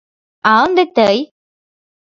А ынде тый...